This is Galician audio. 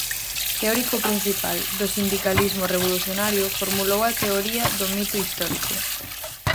Teórico principal do sindicalismo revolucionario, formulou a teoría do mito histórico.